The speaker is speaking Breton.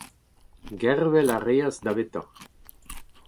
gervel a reas davetañ